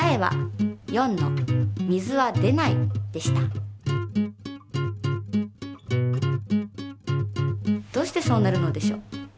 答えはどうしてそうなるのでしょう？